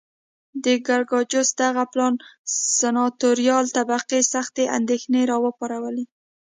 د ګراکچوس دغه پلان سناتوریال طبقې سختې اندېښنې را وپارولې